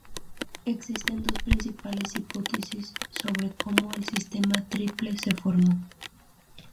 Existen dos principales hipótesis sobre cómo el sistema triple se formó.